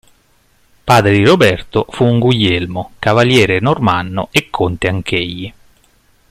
Padre di Roberto fu un Guglielmo cavaliere normanno e conte anch'egli.